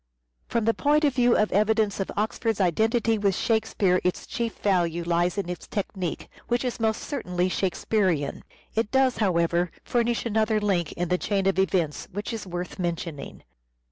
From the point of view of evidence of Oxford's identity with Shakespeare its chief value lies in its technique, which is most certainly Shakespearean. It does, how ever, furnish another link in the chain of evidence which is worth mentioning.